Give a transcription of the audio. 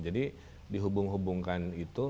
jadi dihubung hubungkan itu